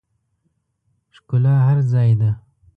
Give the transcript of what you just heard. ښکلا هر ځای ده